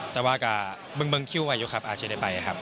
แต่ว่าก็เบิ้งคิวไว้อยู่ครับอาจจะไปครับ